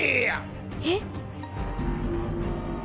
えっ。